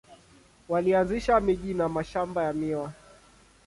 Walianzisha miji na mashamba ya miwa.